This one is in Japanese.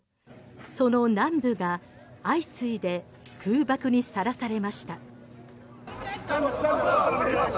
その南部が相次いで空爆にさらされました。